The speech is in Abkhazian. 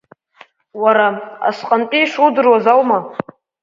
Уара, асҟатәи шудыруаз аума…